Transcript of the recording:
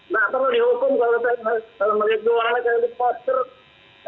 kalau melihat orang orang yang dipotret